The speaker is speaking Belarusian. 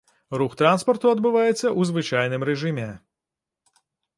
Рух транспарту адбываецца ў звычайным рэжыме.